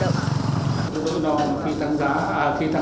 chúng tôi cho trong điều kiện đề trả sức hàng hóa của chúng ta